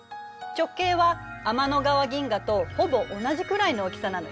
直径は天の川銀河とほぼ同じくらいの大きさなのよ。